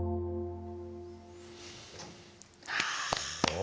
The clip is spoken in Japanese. お。